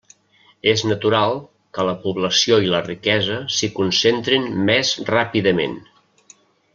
És natural que la població i la riquesa s'hi concentrin més ràpidament.